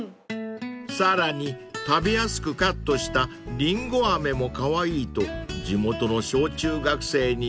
［さらに食べやすくカットしたりんごあめも可愛いと地元の小中学生に人気］